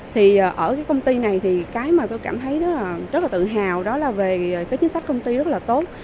thì ở cái công ty này thì cái mà tôi cảm thấy nó rất là tự hào đó là về cái chính sách công ty rất là tốt